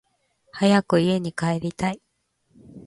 早く家に帰りたい